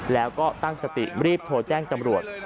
แล้วก็ตั้งสติรีบโทรแจ้งตำรวจ